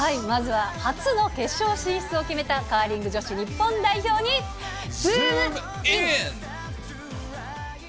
まずは初の決勝進出を決めたカーリング女子日本代表にズームイン！！